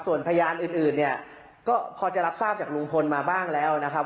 ส่วนพยานอื่นเนี่ยก็พอจะรับทราบจากลุงพลมาบ้างแล้วนะครับ